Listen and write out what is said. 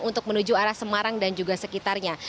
untuk menuju arah semarang dan juga sekitarnya